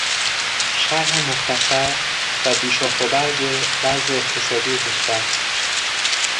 شرح مختصر و بی شاخ و برگ وضع اقتصادی کشور